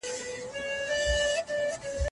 د حج دپاره مي یو ښکلی ملګری پیدا کړی دی.